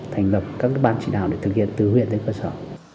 thành lập các ban chỉ đạo để thực hiện từ huyện đến cơ sở